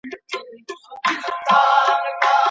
آیا د توتانو وني په ډېرو کلیو کي سته؟.